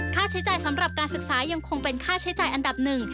ค่าใช้จ่ายสำหรับการศึกษายังคงเป็นค่าใช้จ่ายอันดับหนึ่ง